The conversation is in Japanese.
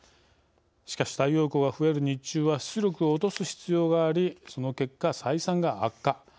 しかし、太陽光が増える日中は出力を落とす必要がありその結果、採算が悪化。